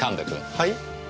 はい？